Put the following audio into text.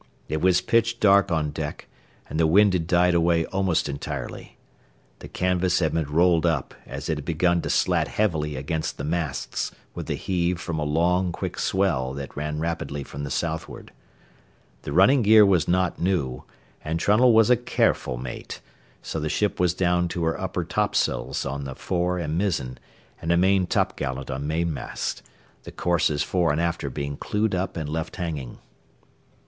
It was pitch dark on deck, and the wind had died away almost entirely. The canvas had been rolled up, as it had begun to slat heavily against the masts with the heave from a long, quick swell that ran rapidly from the southward. The running gear was not new, and Trunnell was a careful mate, so the ship was down to her upper topsails on the fore and mizzen and a main t'gallant on mainmast, the courses fore and after being clewed up and left hanging.